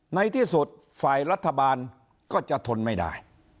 ในที่สุดฝ่ายรัฐบาลก็จะทนไม่ได้